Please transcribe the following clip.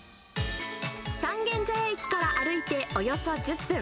三軒茶屋駅から歩いておよそ１０分。